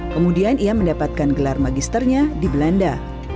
kemudian ia mendapatkan gelar magisternya di belanda